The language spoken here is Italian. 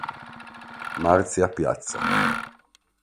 Marzia Piazza